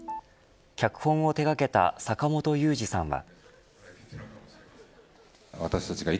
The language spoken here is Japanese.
脚本を手がけた坂元裕二さんは。